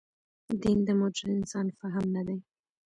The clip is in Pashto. دین د مډرن انسان فهم نه دی.